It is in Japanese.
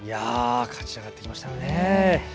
勝ち上がってきましたね。